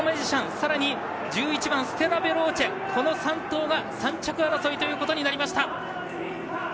さらに１１番ステラヴェローチェこの３頭が３着争いということになりました。